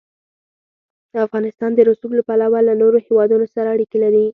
افغانستان د رسوب له پلوه له نورو هېوادونو سره اړیکې لري.